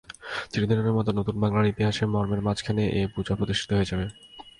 চিরদিনের মতো নূতন বাংলার ইতিহাসের মর্মের মাঝখানে এই পূজা প্রতিষ্ঠিত হয়ে যাবে।